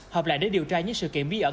hợp lại để điều tra những sự kiện bí ẩn